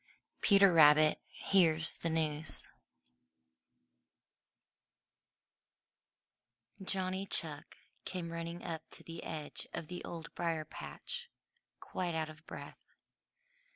Peter Rabbit Hears the News Johnny Chuck came running up to the edge of the Old Briarpatch quite out of breath.